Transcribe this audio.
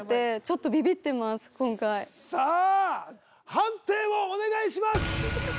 判定をお願いします